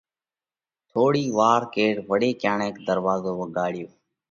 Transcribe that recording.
ٿوڙِي وار ڪيڙ وۯي ڪڻئڪ ڌروازو وڳاڙيو۔